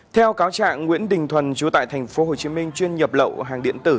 theo cáo trạng nguyễn đình thuần chú tại tp hcm chuyên nhập lậu hàng điện tử